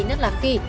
nất lạc phi